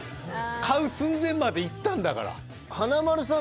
買う寸前までいったんだから。